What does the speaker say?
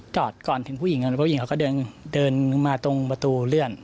จอดก่อนถึงผู้หญิงผู้หญิงเขาก็เดินมาตรงประตูเลื่อน